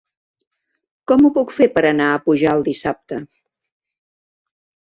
Com ho puc fer per anar a Pujalt dissabte?